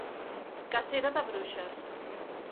Cacera de bruixes.